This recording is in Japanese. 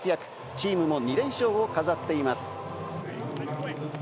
チームも２連勝を飾っています。